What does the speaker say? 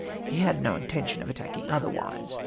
"' He had no intention of attacking otherwise.